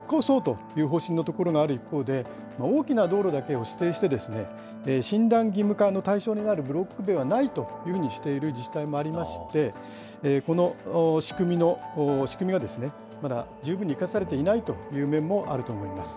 大阪府のように、積極的に危険なブロック塀を掘り起こそうという方針の所がある一方で、大きな道路だけを指定して、診断義務化の対象になるブロック塀はないというふうにしている自治体もありまして、この仕組みがまだ十分に生かされていないという面もあると思います。